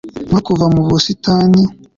nko kuva muri busitani